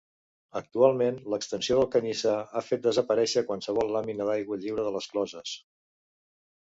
Actualment l’extensió del canyissar ha fet desaparéixer qualsevol làmina d’aigua lliure de les closes.